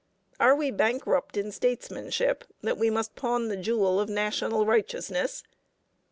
Are we bankrupt in statesmanship that we must pawn the jewel of national righteousness?